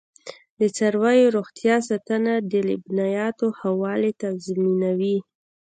د څارویو روغتیا ساتنه د لبنیاتو ښه والی تضمینوي.